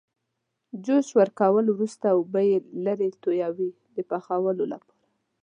جوش ورکولو وروسته اوبه یې لرې تویوي د پخولو لپاره.